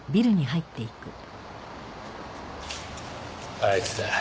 あいつだ